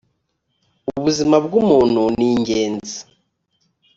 ubuzima bw umuntu ningenzi